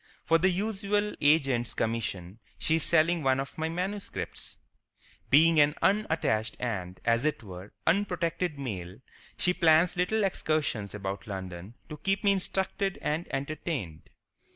For the usual agent's commission she is selling one of my manuscripts. Being an unattached and, as it were, unprotected male, she plans little excursions about London to keep me instructed and entertained.